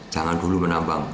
jangan dulu menambang